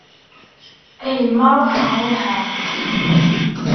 A yemma ruḥeɣ ruḥeɣ.